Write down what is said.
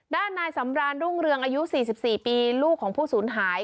ด้านนายสำรานรุ่งเรืองอายุ๔๔ปีลูกของผู้สูญหาย